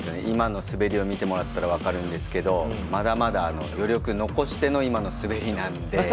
今の滑りを見てもらったら分かるんですけどまだまだ余力残しての今の滑りなんで。